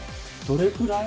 どれくらい？